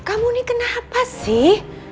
kamu ini kenapa sih